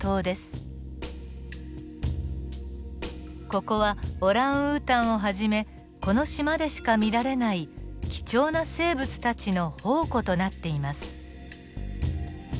ここはオランウータンをはじめこの島でしか見られない貴重な生物たちの宝庫となっています。